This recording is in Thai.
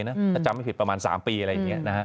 ถ้าจำไม่ผิดประมาณ๓ปีอะไรอย่างนี้นะฮะ